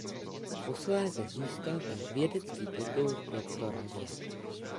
Posléze získal též vědecký titul doktora věd.